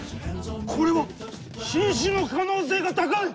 これは新種の可能性が高い！